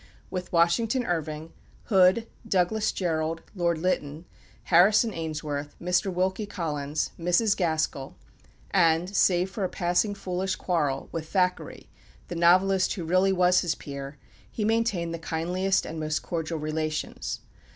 With Washington Irving, Hood, Douglas Jerrold, Lord Lytton, Harrison Ainsworth, Mr. Wilkie Collins, Mrs. Gaskell, and, save for a passing foolish quarrel, with Thackeray, the novelist who really was his peer, he maintained the kindliest and most cordial relations.